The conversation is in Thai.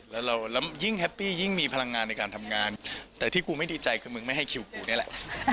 แล้วเรายิ่งแฮปปี้ยิ่งมีพลังงานในการทำงานแต่ที่กูไม่ดีใจคือมึงไม่ให้คิวกูนี่แหละ